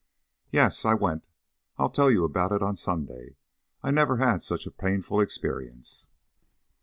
"Yes, I went! I'll tell you all about it on Sunday. I never had such a painful experience."